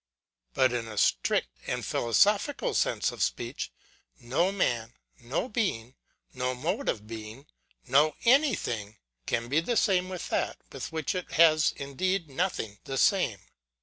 But in a strict and philosophical manner of speech, no .man, no being, no mode of being, no anything, can be the same with that, with which it has indeed nothing the same.